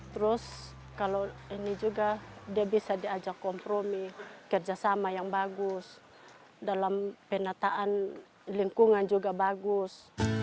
terus kalau ini juga dia bisa diajak kompromi kerjasama yang bagus dalam penataan lingkungan juga bagus